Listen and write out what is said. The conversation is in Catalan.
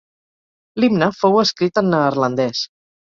L'himne fou escrit en neerlandès.